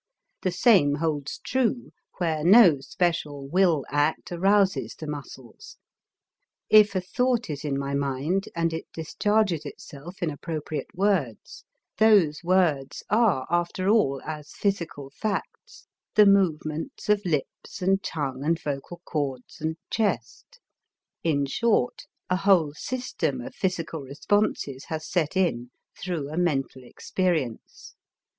The same holds true where no special will act arouses the muscles. If a thought is in my mind and it discharges itself in appropriate words, those words are after all as physical facts the movements of lips and tongue and vocal cords and chest; in short, a whole system of physical responses has set in through a mental experience.